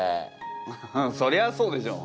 そりゃあそうでしょ。